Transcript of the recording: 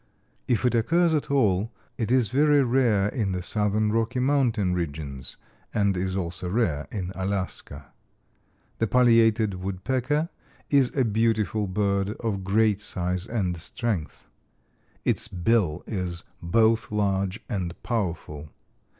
If it occurs at all it is very rare in the Southern Rocky Mountain regions, and is also rare in Alaska. The Pileated Woodpecker is a beautiful bird of great size and strength. Its bill is both large and powerful.